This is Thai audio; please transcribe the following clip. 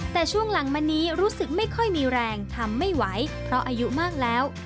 แต่ช่วงหลังมานี้รู้สึกไม่ค่อยมีแรงทำไม่ไหวเพราะอายุมากแล้ว